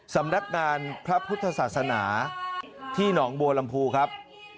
สำนักงานพระพุทธศาสนาที่หนองบัวลำพูครับ